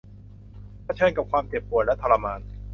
เผชิญกับความเจ็บปวดและทรมาน